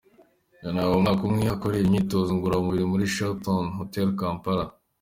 Yanahawe umwaka umwe akorera imyitozo ngororamubiri muri Sheraton Hotel Kampala.